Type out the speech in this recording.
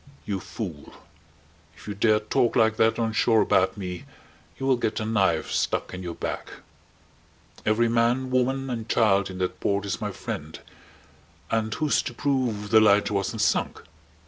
"You fool, if you dare talk like that on shore about me you will get a knife stuck in your back. Every man, woman, and child in that port is my friend. And who's to prove the lighter wasn't sunk?